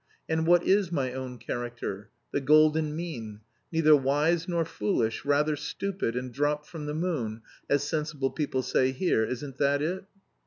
And what is my own character? The golden mean: neither wise nor foolish, rather stupid, and dropped from the moon, as sensible people say here, isn't that it?"